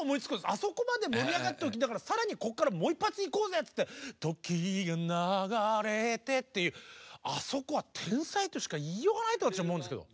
あそこまで盛り上がっておきながら更にこっからもう一発いこうぜって「時が流れて」っていうあそこは天才としか言いようがないと私思うんですけど。